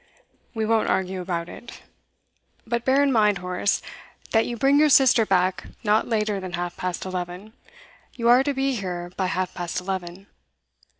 'We won't argue about it. But bear in mind, Horace, that you bring your sister back not later than half past eleven. You are to be here by half past eleven.